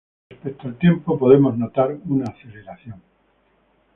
Con respecto al tiempo, podemos notar una aceleración.